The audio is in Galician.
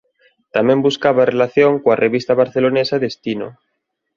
Tamén buscaba relación coa revista barcelonesa "Destino".